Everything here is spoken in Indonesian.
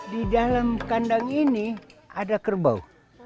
di dalam kandang ini ada kerbau